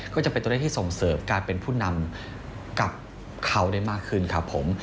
ก็จะเป็นตัวเลขที่ส่งเสริมการเป็นผู้นำกับเขาได้มากขึ้นครับผม